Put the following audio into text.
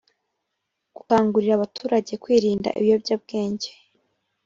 gukangurira abaturage kwirinda ibiyobyabwenge